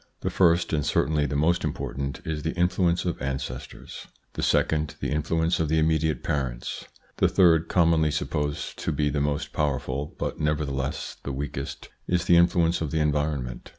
The first and certainly the most important is the influence of ancestors ; the second, the influence of the imme diate parents ; the third, commonly supposed to be the most powerful, but nevertheless the weakest, is > the influence of environment.